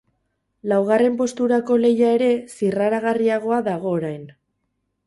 Laugarren posturako lehia ere zirraragarriagoa dago orain.